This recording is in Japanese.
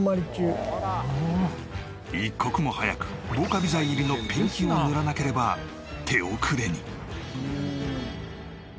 一刻も早く防カビ剤入りのペンキを塗らなければ手遅れに。